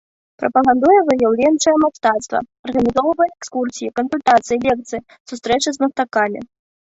Прапагандуе выяўленчае мастацтва, арганізоўвае экскурсіі, кансультацыі, лекцыі, сустрэчы з мастакамі.